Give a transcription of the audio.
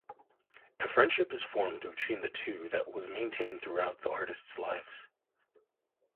A friendship is formed between the two that was maintained throughout both artist's lives.